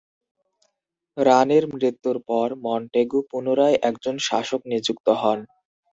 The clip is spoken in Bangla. রাণীর মৃত্যুর পর মন্টেগু পুনরায় একজন শাসক নিযুক্ত হন।